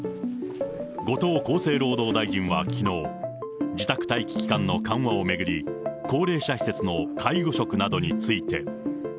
後藤厚生労働大臣はきのう、自宅待機期間の緩和を巡り、高齢者施設の介護職などについて。